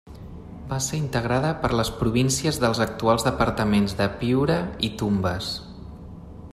Va ser integrada per les províncies dels actuals departaments de Piura i Tumbes.